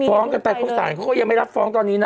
ฟ้องกันไปเพราะสารเขาก็ยังไม่รับฟ้องตอนนี้นะ